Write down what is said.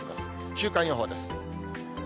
週間予報です。